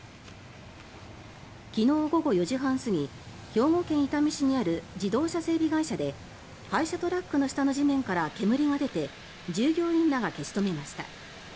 昨日午後４時半過ぎ兵庫県伊丹市にある自動車整備会社で廃車トラックの下の地面から煙が出て従業員らが消し止めました。